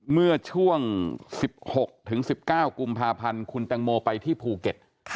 เมื่อช่วง๑๖ถึง๑๙กุมภาพันธ์คุณแตงโมไปที่ภูเก็ต